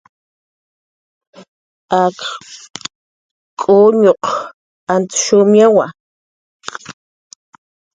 Ak k'uñuq antz shumyawa